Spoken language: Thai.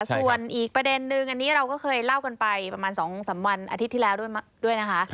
ส่วนอีกประเด็นนึงอันนี้เราก็เคยเล่ากันไปประมาณ๒๓วันอาทิตย์ที่แล้วด้วยนะคะ